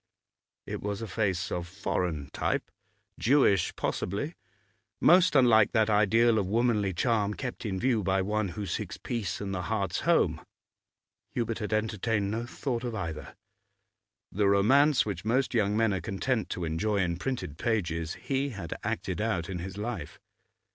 It was a face of foreign type, Jewish possibly, most unlike that ideal of womanly charm kept in view by one who seeks peace and the heart's home. Hubert had entertained no thought of either. The romance which most young men are content to enjoy in printed pages he had acted out in his life.